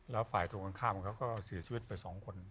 แล้วฝ่ายตรงข้ามเขาก็สื่อชีวิตสองคน